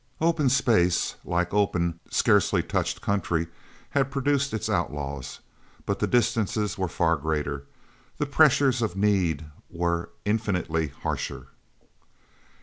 Open space, like open, scarcely touched country, had produced its outlaws. But the distances were far greater. The pressures of need were infinitely harsher.